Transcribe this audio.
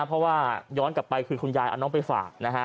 เพราะว่าย้อนกลับไปคือคุณยายเอาน้องไปฝากนะฮะ